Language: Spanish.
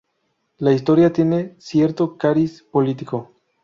La historia tiene cierto cariz político.